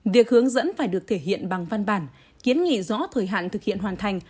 việc hướng dẫn phải được thể hiện bằng văn bản kiến nghị rõ thời hạn thực hiện hoàn thành